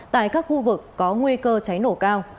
tại các khu vực có nguy cơ cháy nổ cao